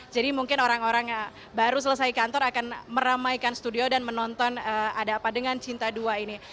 jadi mungkin orang orang baru selesai kantor akan meramaikan studio dan menonton ada apa dengan cinta dua ini